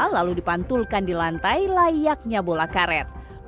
lalu dipantulkan di lantai layaknya bola karet